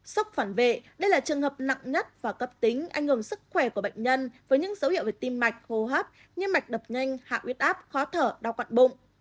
sốc phản vệ đây là trường hợp nặng nhất và cấp tính ảnh hưởng sức khỏe của bệnh nhân với những dấu hiệu về tim mạch hô hấp như mạch đập nhanh hạ huyết áp khó thở đau quặn bụng